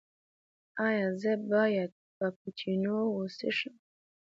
ایا زه باید کاپوچینو وڅښم؟